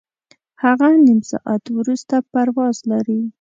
هغه نیم ساعت وروسته پرواز لري.